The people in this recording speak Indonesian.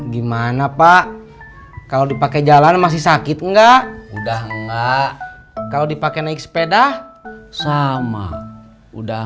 gimana pak kalau dipakai jalan masih sakit enggak udah enggak kalau dipakai naik sepeda sama udah